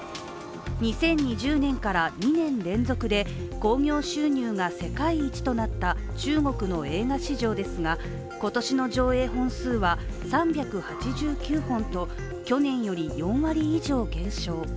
２０２０年から２年連続で興行収入が世界一となった中国の映画市場ですが今年の上映本数は３８９本と、去年より４割以上、減少。